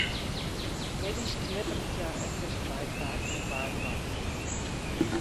Middeis knipperet hja efkes en leit faak yn in waarm bad.